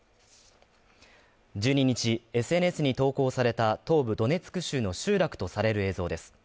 １０日、ＳＮＳに投稿された東部ドネツク州の集落とされる映像です。